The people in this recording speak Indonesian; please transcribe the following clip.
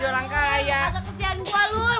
kakak kesian gua lul